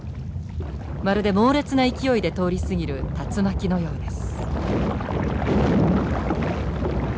まるで猛烈な勢いで通り過ぎる竜巻のようです。